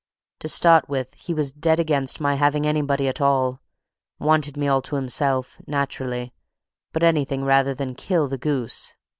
To start with, he was dead against my having anybody at all; wanted me all to himself, naturally; but anything rather than kill the goose!